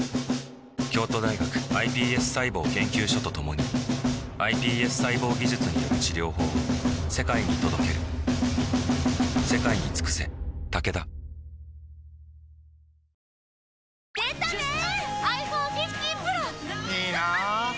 京都大学ｉＰＳ細胞研究所と共にｉＰＳ細胞技術による治療法を世界に届ける続いてはアクティブ中継です。